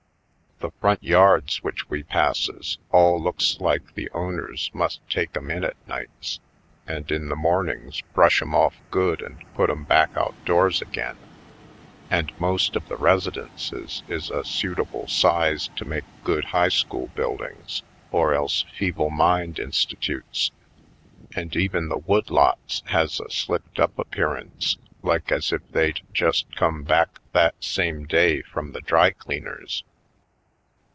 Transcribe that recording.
The front yards which we passes all looks like the Country Side 105 owners must take 'em in at nights and in the mornings brush 'em off good and put 'em back outdoors again; and most of the residences is a suitable size to make good high school buildings or else feeble mind institutes, and even the woodlots has a slicked up appearance like as if they'd just come back that same day from the dry cleaner's.